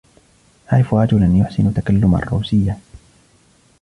أعرف رجلا يحسن تكلم الروسية.